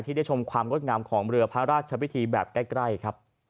ที่ได้ชมความรวดงามของเรือพระราชพิธีแบบใกล้